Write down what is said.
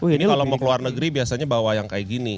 ini kalau mau ke luar negeri biasanya bawa yang kayak gini